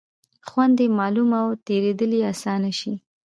خوند یې معلوم او تېرېدل یې آسانه شي.